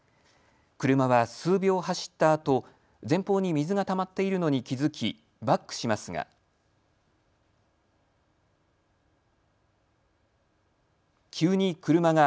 車は数秒走ったあと前方に水がたまっているのに気付きバックしますが。